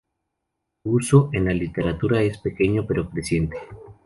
Su uso en la literatura es pequeño pero creciente.